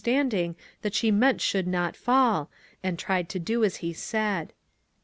IOI standing that she meant should not fall, and tried to do as he said.